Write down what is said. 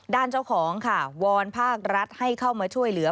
เจ้าของค่ะวอนภาครัฐให้เข้ามาช่วยเหลือ